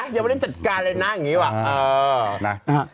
ยังไม่ได้จัดการเลยนะอย่างนี้ว่ะ